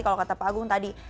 kalau kata pak agung tadi